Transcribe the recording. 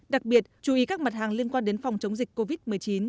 đặc biệt chú ý các mặt hàng liên quan đến phòng chống dịch covid một mươi chín